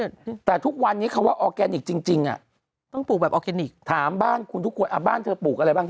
โอ้โหกดออกไปเอาที่ไก่ที่วัวมานั่งพวน